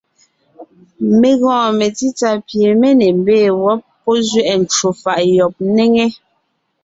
Mé gɔɔn metsítsà pie mé ne mbee wɔ́b, pɔ́ ne nzẅɛʼɛ ncwò faʼ yɔb ńnéŋe,